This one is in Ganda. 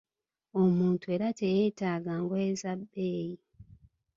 Omuntu era teyetaaga ngoye za bbeeyi.